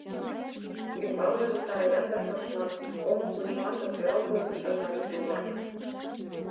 Ӱмбалныже тараян да прошман, оҥым кучыман да сӧрал пеледышан марий тувыр.